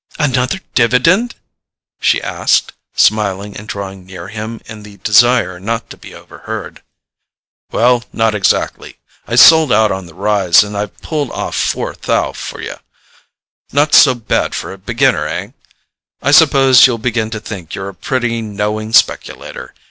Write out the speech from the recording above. "Another dividend?" she asked, smiling and drawing near him in the desire not to be overheard. "Well, not exactly: I sold out on the rise and I've pulled off four thou' for you. Not so bad for a beginner, eh? I suppose you'll begin to think you're a pretty knowing speculator.